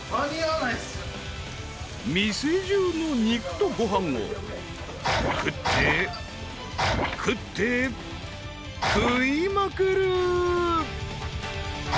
［店中の肉とご飯を食って食って食いまくる］